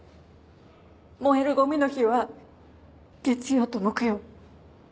燃えるゴミの日は月曜と木曜。